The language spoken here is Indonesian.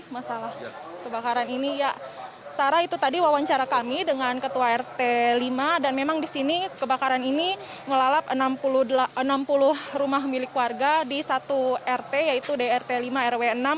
masalah kebakaran ini ya sarah itu tadi wawancara kami dengan ketua rt lima dan memang di sini kebakaran ini ngelalap enam puluh rumah milik warga di satu rt yaitu di rt lima rw enam